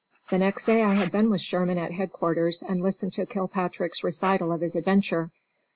The next day I had been with Sherman at headquarters and listened to Kilpatrick's recital of his adventure.